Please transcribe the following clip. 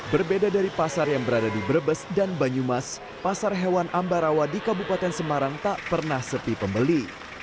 berbeda dari pasar yang berada di brebes dan banyumas pasar hewan ambarawa di kabupaten semarang tak pernah sepi pembeli